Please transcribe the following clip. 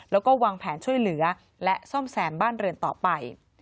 แล้วก็วางแผนช่วยเหลือและซ่อมแซมบ้านเรือนต่อไป